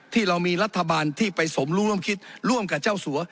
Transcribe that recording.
ที่เรามีรัฐบาลที่ไปสมรู้ร่วมคิดร่วมกับเจ้าสัว